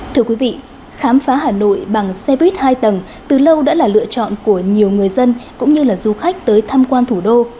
thưa quý vị khám phá hà nội bằng xe buýt hai tầng từ lâu đã là lựa chọn của nhiều người dân cũng như là du khách tới tham quan thủ đô